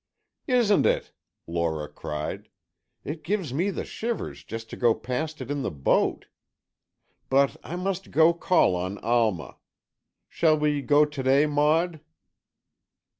"Isn't it!" Lora cried. "It gives me the shivers just to go past it in the boat. But I must go to call on Alma. Shall we go to day, Maud?"